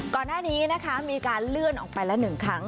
ก่อนหน้านี้นะคะมีการเลื่อนออกไปละ๑ครั้ง